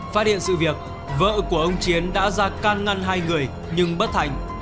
phát hiện sự việc vợ của ông chiến đã ra can ngăn hai người nhưng bất thành